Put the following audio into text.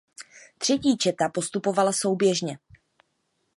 Třetí četa postupovala souběžně.